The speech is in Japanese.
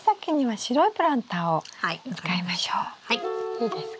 いいですか？